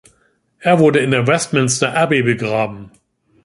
Er wurde in der Westminster Abbey begraben.